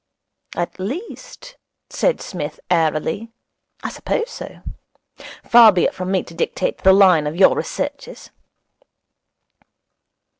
At least,' said Psmith airily, 'I suppose so. Far be it from me to dictate the line of your researches.'